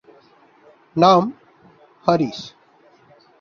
নাম: হারিস।